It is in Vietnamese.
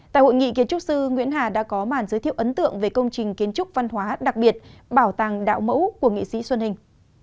tại hội nghị kiến trúc sư nguyễn hà đã có màn giới thiệu ấn tượng về công trình kiến trúc văn hóa đặc biệt bảo tàng đạo mẫu của nghệ sĩ xuân hình